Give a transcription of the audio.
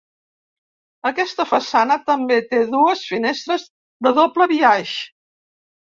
Aquesta façana també té dues finestres de doble biaix.